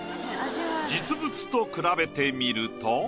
実物と比べてみると。